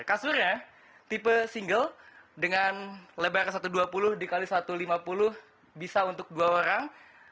kasurnya tipe single dengan lebar satu ratus dua puluh dikali satu ratus lima puluh bisa untuk dua orang